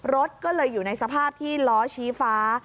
รถก็เลยอยู่ในสภาพที่ล้อชี้ฟ้า